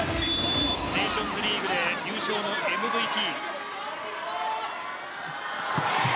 ネーションズリーグで優勝してＭＶＰ。